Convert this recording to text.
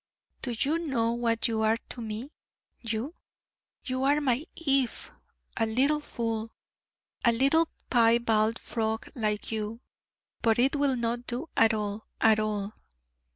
Do you know what you are to me, you? You are my Eve! a little fool, a little piebald frog like you. But it will not do at all, at all!